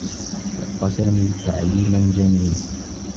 تلقّى سامي تعليما جامعيّا.